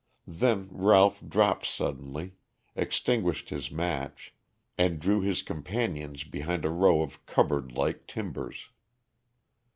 Then Ralph dropped suddenly, extinguished his match, and drew his companions behind a row of cupboard like timbers.